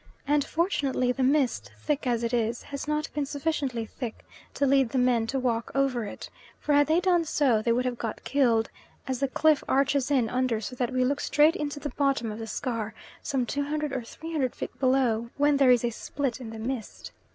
And fortunately, the mist, thick as it is, has not been sufficiently thick to lead the men to walk over it; for had they done so they would have got killed, as the cliff arches in under so that we look straight into the bottom of the scar some 200 or 300 feet below, when there is a split in the mist.